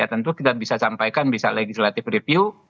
tentu kita bisa sampaikan bisa legislative review